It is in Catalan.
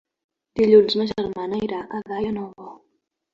Dilluns ma germana irà a Daia Nova.